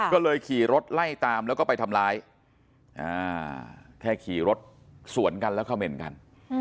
ก็เลยขี่รถไล่ตามแล้วก็ไปทำร้ายแค่ขี่รถสวนกันแล้วเขม่นกัน